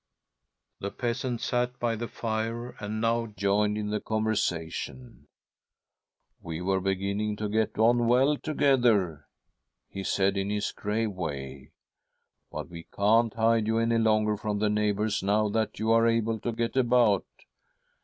" The peasant sat by the fire and now joined in the conversation. ' We were beginning to get on well together,' he said, in his grave way, ' but we 1 . THE STRUGGLE OF A SOUL 159 can't hide you any longer from the neighbours, •now that you are able to get about.